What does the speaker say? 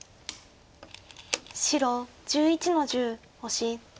白１１の十オシ。